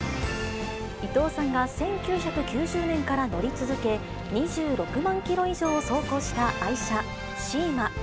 伊藤さんが１９９０年から乗り続け、２６万キロ以上を走行した愛車、シーマ。